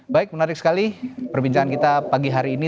baik menarik sekali perbincangan kita pagi hari ini